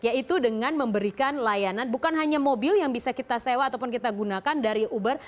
yaitu dengan memberikan layanan bukan hanya mobil yang bisa kita sewa ataupun kita gunakan dari uber